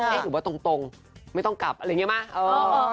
หรือว่าตรงไม่ต้องกลับอะไรอย่างนี้ไหม